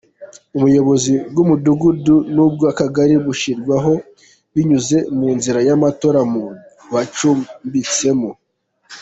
Ubuyobozi bw’umudugudu n’ubw’akagari bushyirwaho binyuze mu nzira y’amatora mu bacumbitsemo.